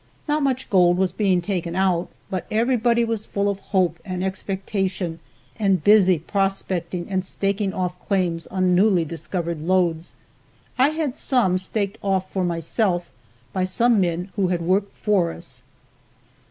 Not much gold was being taken out, but everybody was full of hope and expectation and busy prospecting and staking off claims on newly discovered lodes. I had some staked off for myself by some men who had worked for us.